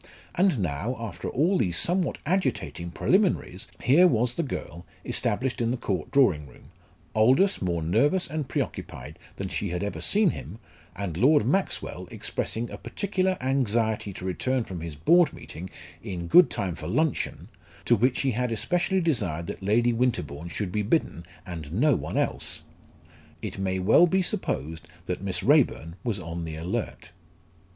And now, after all these somewhat agitating preliminaries, here was the girl established in the Court drawing room, Aldous more nervous and preoccupied than she had ever seen him, and Lord Maxwell expressing a particular anxiety to return from his Board meeting in good time for luncheon, to which he had especially desired that Lady Winterbourne should be bidden, and no one else! It may well be supposed that Miss Raeburn was on the alert.